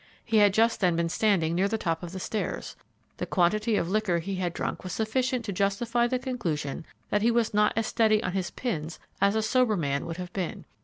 He had just then been standing near the top of the stairs. The quantity of liquor he had drunk was sufficient to justify the conclusion that he was not as steady on his pins as a sober man would have been.